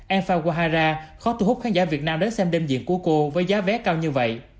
anpha quahara khó thu hút khán giả việt nam đến xem đêm diễn của cô với giá vé cao như vậy